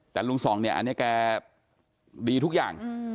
แต่ลุงส่องเนี่ยอันนี้แกดีทุกอย่าง